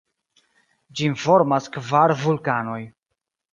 Ĝin formas kvar vulkanoj.